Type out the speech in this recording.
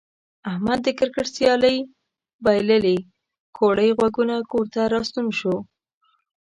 احمد د کرکټ سیالي بایللې کوړی غوږونه کور ته راستون شو.